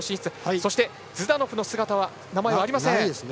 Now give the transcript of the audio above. そしてズダノフの名前はありません。